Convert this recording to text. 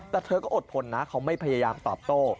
แต่เธอก็อดทนนะเขาไม่พยายามตอบโต้